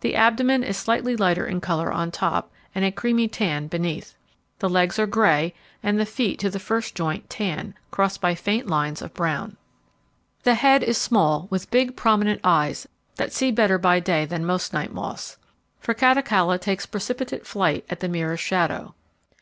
The abdomen is slightly lighter in colour on top, and a creamy tan beneath. The legs are grey, and the feet to the first joint tan, crossed by faint lines of brown. The head is small, with big prominent eyes that see better by day than most night moths; for Catocala takes precipitate flight at the merest shadow.